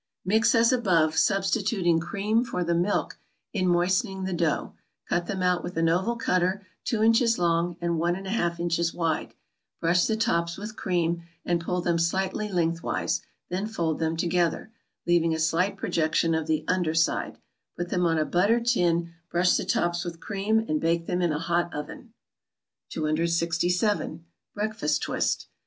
= Mix as above, substituting cream for the milk in moistening the dough; cut them out with an oval cutter, two inches long and one and a half inches wide; brush the tops with cream, and pull them slightly lengthwise; then fold them together, leaving a slight projection of the under side; put them on a buttered tin, brush the tops with cream, and bake them in a hot oven. 267. =Breakfast Twist.